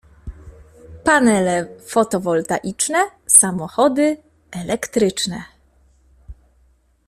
Panele fotowoltaiczne, samochody elektryczne.